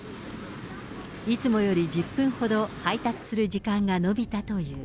いつもより１０分ほど配達する時間が延びたという。